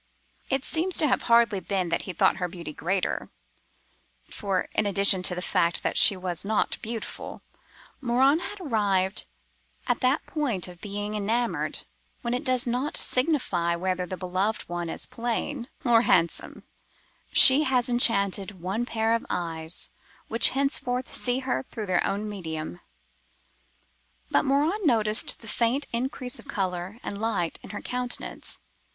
It seems to have hardly been that he thought her beauty greater: for, in addition to the fact that she was not beautiful, Morin had arrived at that point of being enamoured when it does not signify whether the beloved one is plain or handsome—she has enchanted one pair of eyes, which henceforward see her through their own medium. But Morin noticed the faint increase of colour and light in her countenance.